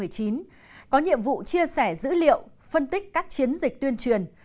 vào tháng ba năm hai nghìn một mươi chín có nhiệm vụ chia sẻ dữ liệu phân tích các chiến dịch tuyên truyền